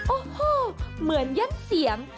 โอ้โหเหมือนยั่นเสียง